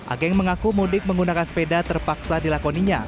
ageng mengaku mudik menggunakan sepeda terpaksa dilakoninya